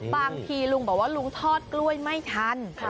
บางทีลุงบอกว่าลุงทอดกล้วยไม่ทัน